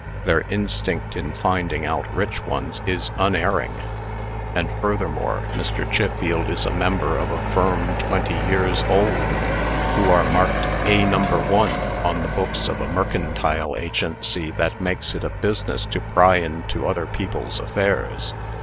Their instinct in finding out rich ones is unerring. And furthermore, Mr. Chiffield is a member of a firm twenty years old, who are marked 'A No. 1' on the books of a mercantile agency, that makes it a business to pry into other people's affairs.